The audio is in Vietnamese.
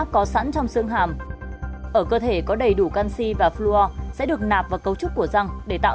có sẵn trong xương hàm ở cơ thể có đầy đủ canxi và flure sẽ được nạp vào cấu trúc của răng để tạo